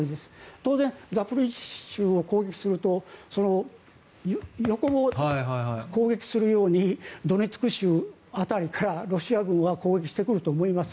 当然ザポリージャ州を攻撃すると横も攻撃するようにドネツク州辺りからロシア軍は攻撃をしてくると思います。